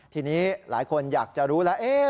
ทีนี้หลายคนอยากจะรู้แล้ว